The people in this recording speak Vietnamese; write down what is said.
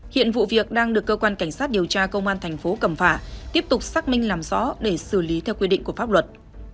hiện vụ việc đang được cơ quan cảnh sát điều tra công an thành phố cẩm phả tiếp tục xác minh làm rõ để xử lý theo quy định của pháp luật